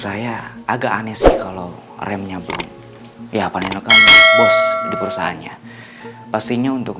saya agak aneh kalau remnya belum ya paling enak kan bos di perusahaannya pastinya untuk